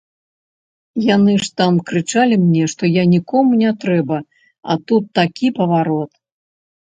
Яны ж там крычалі мне, што я нікому не трэба, а тут такі паварот.